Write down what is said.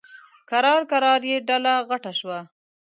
کرار کرار یې ډله غټه شوه.